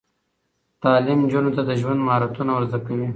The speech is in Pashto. تعلیم نجونو ته د ژوند مهارتونه ور زده کوي.